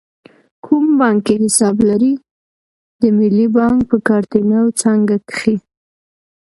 کوم بانک کې حساب لرئ؟ د ملی بانک په کارته نو څانګه کښی